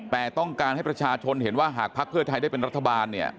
แปลต้องการให้ประชาชนเห็นว่าถ้าภาคเทอร์ไทยได้เป็นรัฐบาล